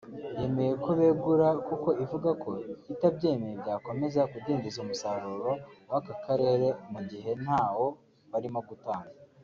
yemeye ko begura kuko ivuga ko itabyemeye byakomeza kudindiza umusaruro w’aka Karere mu gihe ntawo barimo gutanga